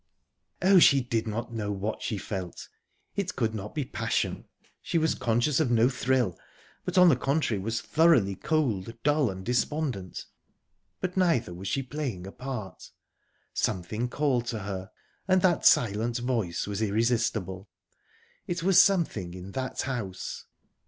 Oh, she did not know what she felt! It could not be passion. She was conscious of no thrill, but, on the contrary, was thoroughly cold, dull, and despondent. But neither was she playing a part. Something called to her, and that silent voice was irresistible. It was something in _that house...